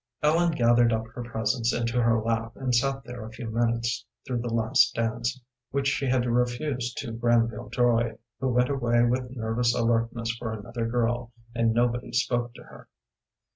Ellen gathered up her presents into her lap, and sat there a few minutes through the last dance, which she had refused to Granville Joy, who went away with nervous alertness for another girl, and nobody spoke to her.